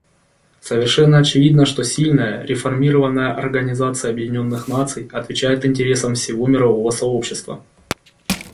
Совершенно очевидно, что сильная, реформированная Организация Объединенных Наций отвечает интересам всего мирового сообщества.